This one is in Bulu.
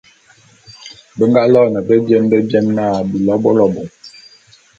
Be nga loene bebiene bebiene na, Bilobôlobô.